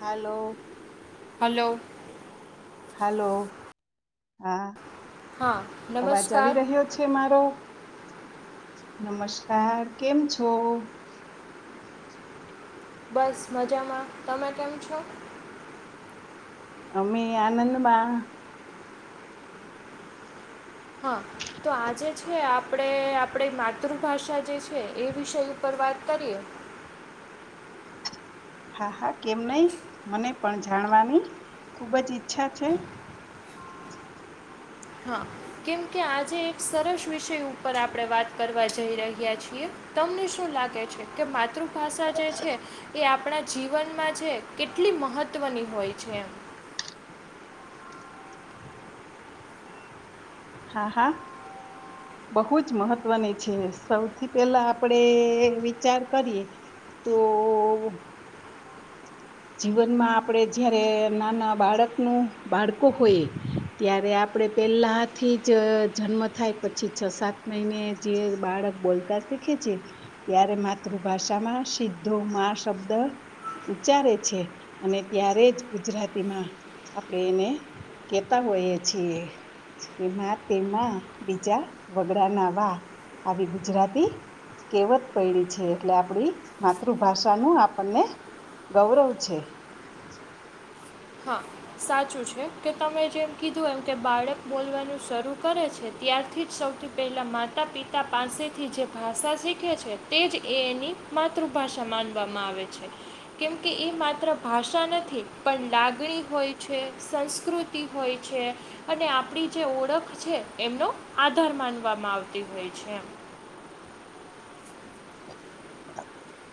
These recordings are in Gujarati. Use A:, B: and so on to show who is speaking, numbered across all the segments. A: હાલો
B: હલો
A: હાલો હા
B: હા
A: અવાજ
B: નમસ્કાર
A: આવી રહ્યો મારો નમસ્કાર કેમ છો
B: બસ મજામાં તમે કેમ છો
A: અમે આનંદમાં
B: હા તો આજે છે આપણે આપણી માતૃભાષા જે છે એ વિષય ઉપર વાત કરીએ
A: હા હા કેમ નહી મને પણ જાણવાની ખુબ જ ઈચ્છા છે
B: હા કેમ કે આજે એક સરસ વિષય ઉપર આપણે વાત કરવા જઈ રહ્યા છીએ તમને શું લાગે છે કે માતૃભાષા જે છે એ આપણા જીવનમાં છે કેટલી મહત્ત્વની હોય છે
A: હા હા બહુ જ મહત્વની છે સૌથી પેલા આપડે વિચાર કરીએ તો જીવનમાં આપડે જયારે નાના બાળકનું બાળકો હોઈએ ત્યારે આપણે પહેલાંથી જ જન્મ થાય પછી છ સાત મહિને જે બાળક બોલતા શીખે છે ત્યારે માતૃભાષામાં સીધો મા શબ્દ ઉચ્ચારે અને ત્યારે જ ગુજરાતીમાં આપણેે એને કેતા હોયએ છીએ કેમાં તેમાં બીજા વગડા ના વા આવી ગુજરાતી કેવત પૈડી છે એટલે આપડી માતૃભાષાનું આપણને ગૌરવ છે.
B: હા. સાચું છે કે તમે જેમ કીધું એમ કે બાળક બોલવાનું શરૂ કરે છે ત્યારથી જ સૌથી પહેલાં માતા પિતા પાસેથી જે ભાષા શીખે છે તે જ એ એની માતૃભાષા માનવામાં આવે છે કેમકે એ માત્ર ભાષા નથી પણ લાગ લાગણી હોય છે સંસ્કૃતિ હોય છે. અને આપણી જે ઓળખ છે એમનો આધાર માનવામાં આવતી હોય છે એમ.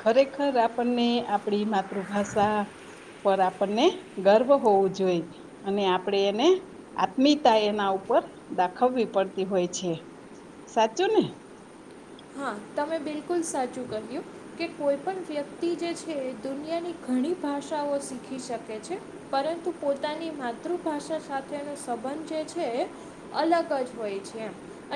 A: ખરેખર આપણને આપડી માતૃભાષા પર આપણને ગર્વ હોવું જોઈ. અને આપડે એને આત્મીતા એના ઉપર દાખવવી પડતી હોય છે. સાચું ને.
B: હા તમે બિલકુલ સાચું કહ્યું. કે કોઈ પણ વ્યક્તિ જે છે દુનિયાની ઘણી ભાષાઓ શીખી શકે છે. પરંતુ પોતાની માતૃભાષા સાથેનો સંબંધ જે છે. અલગ જ હોય છે એ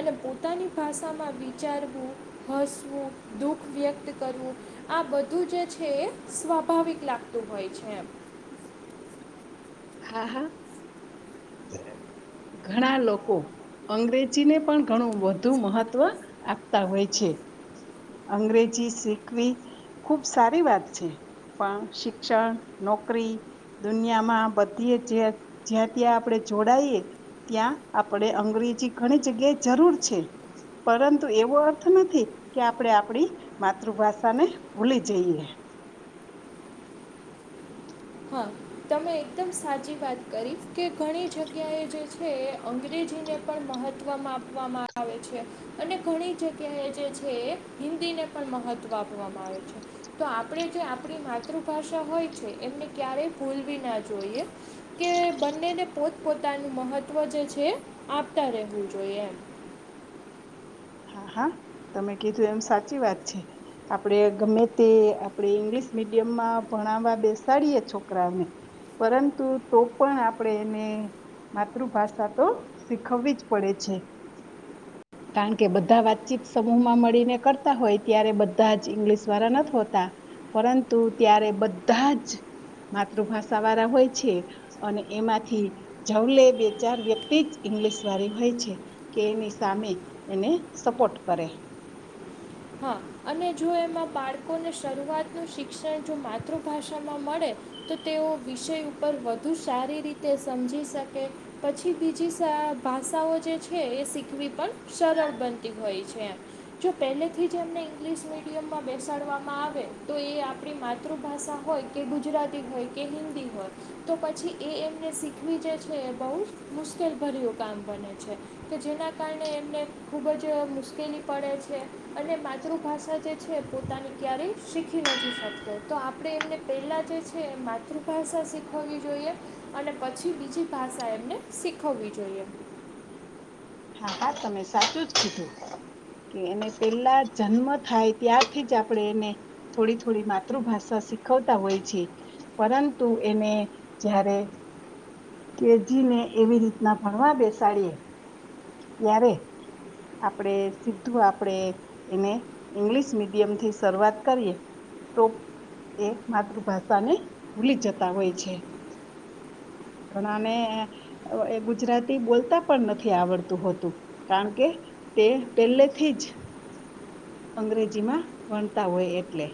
B: અને પોતાની ભાષામાં વિચાર વુ હસવું દુઃખ વ્યક્ત કરવું આ બધું જે છે એ સ્વાભાવિક લાગતું હોય છે એમાં.
A: હા હા ઘણા લોકો અંગ્રેજીને પણ ઘણું વધુ મહત્વ આપતા હોય છે. અંગ્રેજી શીખવી ખૂબ સારી વાત છે પણ શિક્ષણ નોકરી દુનિયામાં બધીએ જ્યા જ્યાં ત્યાં આપણે જોડાયએ ત્યાં આપણે અંગ્રેજી ઘણી જગ્યાએ જરૂર છે. પરંતુ એવો અર્થ નથી કે આપણેે આપડી માતૃભાષા ને ભૂલી જઈએ.
B: હા. તમે એકદમ સાચી વાત કરી કે ઘણી જગ્યાએ જે છે એ અંગ્રેજીને પણ મહત્ત્વ વા આપવામાં આવે છે. અને ઘણી જગ્યા એ જે છે એ હિન્દીને પણ મહત્વ આપવામાં આવે છે. તો આપણે જે આપણી માતૃભાષા હોય છે એમને ક્યારેય ભૂલવી ના જોઈએ કે બંનેને પોત પોતાનું મહત્ત્વ જે છે આપતા રહેવું જોઈએ એમ.
A: હા હા તમે કીધું એમ સાચી વાત છે. આપડે ગમે તે આપણે ઈંગ્લિશ મીડિયમમાં ભણાવવા બેસાડીએ છોકરાને પરંતુ તો પણ આપણેે એને માતૃભાષા તો શીખવવી જ પડે છે કારણ કે કે બધા વાતચીત સમૂહ માં મળીને કરતા હોય ત્યારે બધા જ ઇંગ્લિશ વાળા નથ હોતા. પરંતુ ત્યારે બધા જ માતૃભાષા વાળા હોય છે. અને એમાંથી જવલે બે ચાર વ્યક્તિ જ ઇંગ્લિશ વાળી હોય છે. કે એની સામે એને સપોર્ટ કરે.
B: હા અને જો એમાં બાળકોને શરૂઆતનું શિક્ષણ જો માતૃભાષામાં મળે તો તેઓ વિષય ઉપર વધુ સારી રીતે સમજી શકે પછી બીજી ભાષાઓ જે છે એ શીખવી પણ સરળ બનતી હોય છે એમ જો પહેલે થી જ એમને ઇંગ્લિશ મીડિયમમાં બેસાડવામાં આવે તો એ આપણી માતૃભાષા હોય કે ગુજરાતી થાય કે હિન્દી હોય. તો પછી એ એમને શીખવી જે છે એ બહુ મુશ્કેલભર્યું કામ બને છે. કે જેના કારણે એમને ખુબ જ મુશ્કેલી પડે છે. અને માતૃભાષા જે છે એ પોતાની ક્યારેય શીખી નથી શકતો તો આપણે એમને પહેલાં જે છે છે માતૃભાષા શીખવવી જોઈએ અને પછી બીજી ભાષા એમને શીખવવી જોઈએ
A: હા હા તમે સાચું જ કીધું કે એને પેલા જન્મ થાય ત્યારથી જ આપણે એને થોડી થોડી માતૃભાષા શીખવતા હોય છે. પરંતુ એને જારે કે જ ને એવી રીતના ભણવા બેસાડીએ ત્યારે આપડે સીધું આપડે એને ઇંગ્લિશ મીડિયમ થી શરૂઆત કરીએ તો એ માતૃભાષા ને ભૂલી જતા હોય છે. ઘણાને એ ગુજરાતી બોલતા પણ નથી આવડ તું હતું કારણ કે તે પહેલેથી જ અંગ્રેજી માં વણતા હોય એટલે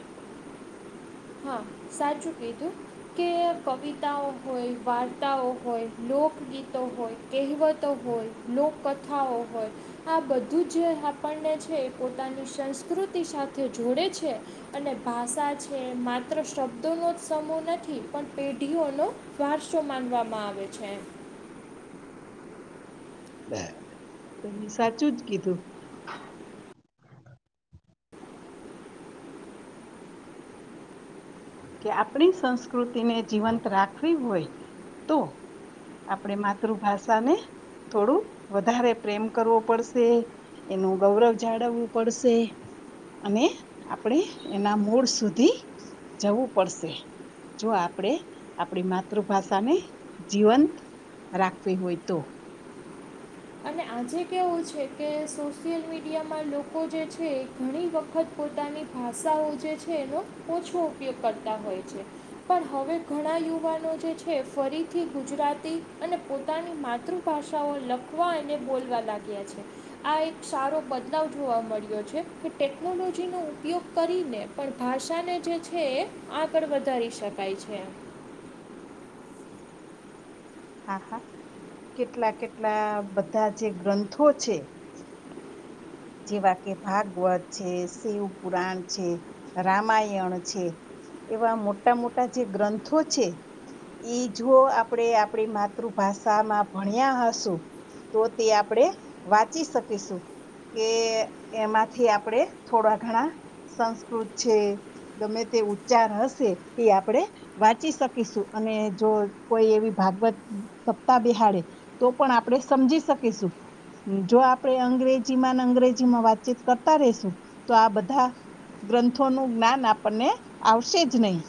B: હા સાચું કીધું કે કવિતાઓ હોય વાર્તાઓ હોય લોકગીતો હોય કહેવતો હોય લોકકથાઓ હોય આ બધું જ આપણને છે પોતાની સંસ્કૃતિ સાથે જોડે છે. અને ભાષા છે મા માત્ર શબ્દો ન જ સમૂહ નથી પણ પેઢીઓનો વારસો માનવામાં આવે છે.
A: તમે સાચું જ કીધું કે આપણી સંસ્કૃતિને જીવંત રાખવી હોય તો આપણે માતૃભાષાને થોડું વધારે પ્રેમ કરવો પડશે એનું ગૌરવ જાળવવું અને આપણે એના મૂળ સુધી જવું પડશે જો આપણેે આપણી માતૃભાષાને જીવંત રાખવી હોય તો.
B: અને આજે કેવું છે કે સોશિયલ મીડિયામાં લોકો જે છે. ઘણી વખત પોતાની ભાષાઓ જે છે એનો ઓછો ઉપયોગ કરતા હોય છે. પણ હવે ઘણા યુવાનો જે છે ફરીથી ગુજરાતી અને પોતાની માતૃ ભાષાઓ લખવા અને બોલવા લાગ્યા છે. આ એક સારો બદલાવ જોવા મળ્યો છે કે ટેકનોલોજીનો ઉપયોગ કરીને પણ ભાષાને જે છે એ આગળ વધારી શકાય છે.
A: હા હા કેટલા કેટલા બધા જે ગ્રંથો છે. જેવા કે ભાગવત છે શિવપુરાણ છે રામાયણ છે. એવા મોટા મોટા જે ગ્રંથો છે. એ જો આપણે આપણી માતૃભાષામાં ભણ્યા હશો તો તે આપણે વાંચી શકીશું કે એમાંથી આપણેે થોડા ઘણા સંસ્કૃત છે. ગમે તે ઉચ્ચાર હશે એ આપણે વાંચી શકીશું અને જો કોઈ એવી ભાગવત સપ્તાહ બેહાડે તો પણ આપણે સમજી શકીશું જો આપણે અંગ્રેજ જી અંગ્રેજી માં વાતચીત કરતા રેશું તો આ બધા ગ્રંથોનું જ્ઞાન આપણને આવશે જ નહીં.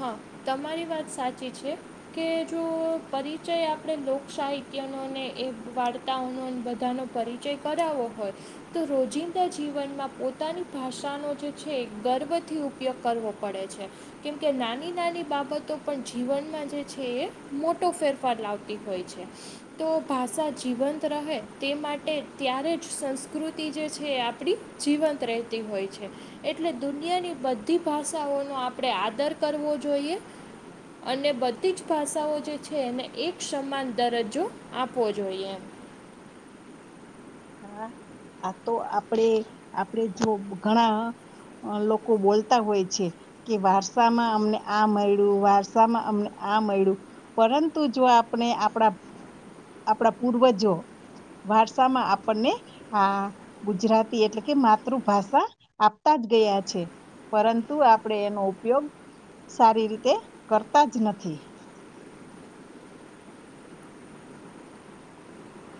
B: હહ તમારી વાત સાચી છે. કે જો પરિચય આપણે લોક સાહિત્યનો અને એ વાર્તાઓનો બધાનો પરિ ચય કરાઓ હોય તો રોજિંદા જીવનમાં પોતાની ભાષાનો જે છે ગર્વથી ઉપયોગ કરવો પડે છે. કેમ કે નાની નાની બાબતો પણ જીવનમાં જે છે એ મોટો ફેરફાર લાવતી હોય છે. તો ભાષા જીવંત રહે તે માટે ત્યારે જ સંસ્કૃતિ જે છે એ આપણી જીવંત રહેતી હોય છે. એટલે દુનિયાની બધી ભાષાઓનો આપણે આદર કરવો જોઈએ. અને બધી જ ભાષાઓ જે છે એને એક સમાન દરજ્જો આપવો જોઈએ એમ.
A: હા આ તો આપડે આપડે જો ઘણા અ લોકો બોલતા હોય છે. કે વારસામાં અમને આ મળ્યું, વારસામાં અમને આ મળ્યું. પરંતુ જો આપણે આપણા આપણા પૂર્વજો વારસામાં આપ આપણને આ ગુજરાતી એટલે કે માતૃભાષા આપતા જ ગયા છે. પરંતુ આપણેે એનો ઉપયોગ સારી રીતે કરતા જ નથી.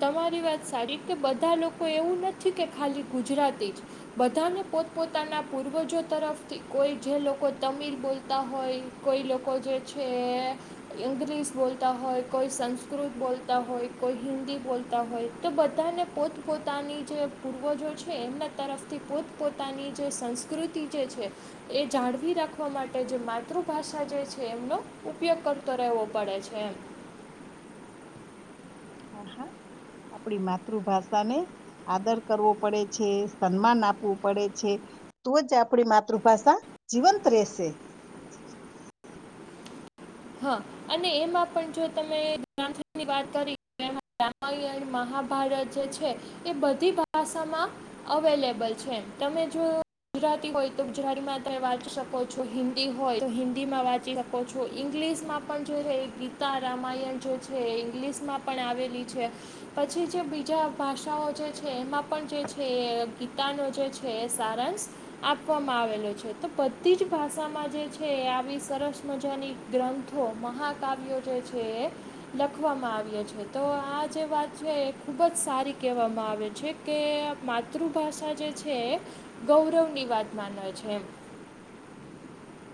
B: તમારી વાત સારી કે બધા લોકો એવું નથી કે ખાલી ગુજરાતી જ બધાને પોતપોતાના પૂર્વજો તરફથી કોઈ જે લોકો તમિલ બોલતા હોય. કોઈ લોકો જે છે ઇંગ્લિશ બોલતા હોય, કોઈ સંસ્કૃત બોલતા હોય, કોઈ હિન્દી બોલતા હોય, તો બધાને પોતપોતાની જે પૂર્વજો છે એમના તરફથી પોત પોતાની જે સંસ્કૃતિ જે છે. એ જાળવી રાખવા માટે જે માતૃભાષા જે છે એમનો ઉપયોગ કરતો રહેવો પડે છે એમ.
A: હા હા આપણી માતૃભાષાને આદર કરવો પડે છે, સન્માન આપવું પડે છે. તો જ આપણી માતૃભાષા જીવંત રેશે.
B: હહ અને એમાં પણ જો તમે જાનની વાત કરી ને એમાં રામાયણ, મહાભારત જે છે. એ બધી ભાષામાં અવેલેબલ છે એમ. તમે જો ગુજરાતી હોય તો ગુજરાતીમાં તમે વાંચી શકો છો. હિન્દી હોય તો હિન્દીમાં વાંચી શકો છો. ઇંગ્લિશમાં પણ જોઈએ એ ગીતા રામાયણ જે છે એ ઇંગ્લિશમાં પણ આવેલી છે. પછી જે બીજા ભાષાઓ જે છે એમાં પણ જે છે એ ગીતાનો જે છે. જે એ સારાંશ આપવામાં આવેલો છે. તો બધી જ ભાષામાં જે છે એ આવી સરસ મજાની ગ્રંથો, મહાકાવ્યો જે છે એ લખવામાં આવ્યો છે. તો આ જે વાત છે એ ખુબ જ સારી કહેવામાં આવે છે. કે માતૃભાષા જે છે એ ગૌરવની વાત માને છે એમ.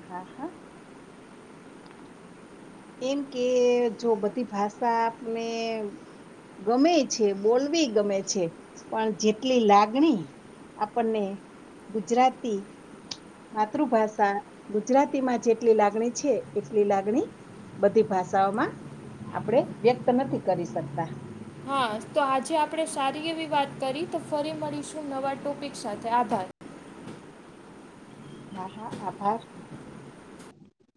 A: હા હા એમ કે જો બધી ભાષા આપને ગમે છે બોલવી ગમે છે. પણ જેટલી લાગણી આપણને ગુજરાતી માતૃભાષા ગુજરાતીમાં જેટલી લાગણી છે એટલી લાગણી બધી ભાષાઓમાં આપણેે વ્યક્ત નથી કરી શકતા.
B: હા તો આજે આપણે સારી એવી વાત કરી તો ફરી મળીશું નવા ટોપિક સાથે આભાર.
A: હા હા આભાર.